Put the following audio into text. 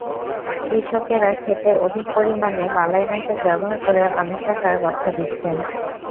কৃষকেরা খেতে অধিক পরিমাণে বালাইনাশক ব্যবহার করে অনেক টাকা গচ্চা দিচ্ছেন।